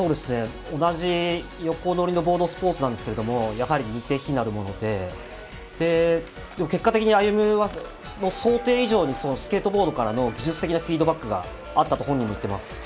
同じ横乗りのボードスポーツになるんですけど、やはり似て非なるもので、結果的に歩夢は想定以上にスケートボードからの技術的なフィードバックがあったと本人も言っています。